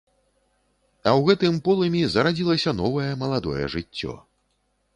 А ў гэтым полымі зарадзілася новае, маладое жыццё.